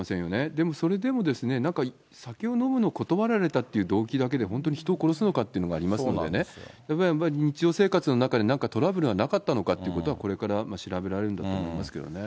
でもそれでも、なんか、酒を飲むのを断られたっていう動機だけで、本当に人を殺すのかっていうのがありますのでね、日常生活の中でなんかトラブルがなかったのかということが、これから調べられるんだと思いますけどね。